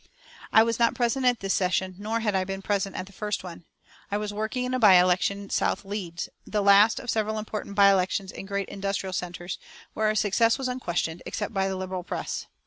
I was not present at this session, nor had I been present at the first one. I was working in a by election at South Leeds, the last of several important by elections in great industrial centres, where our success was unquestioned, except by the Liberal press.